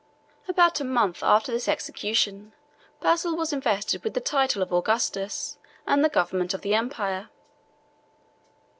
About a month after this execution, Basil was invested with the title of Augustus and the government of the empire.